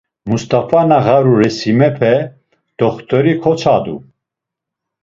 “Must̆afa na ğaru resimepe t̆oxt̆ori kotsadu.